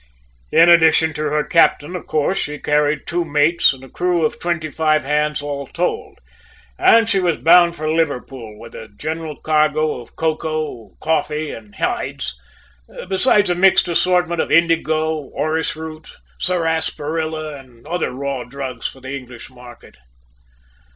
"In addition to her captain, of course, she carried two mates and a crew of twenty five hands all told, and she was bound for Liverpool, with a general cargo of cocoa, coffee and hides, besides a mixed assortment of indigo, orris root, sarsaparilla and other raw drugs for the English market."